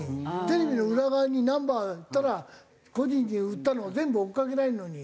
テレビの裏側にナンバー打ったら個人に売ったのを全部追っかけられるのに。